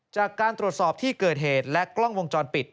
จากการตรวจสอบที่เกิดเหตุและกล้องวงจรปิด